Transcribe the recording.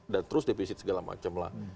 dan terus depisit segala macam lah